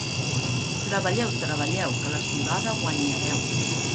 Treballeu, treballeu, que la civada guanyareu.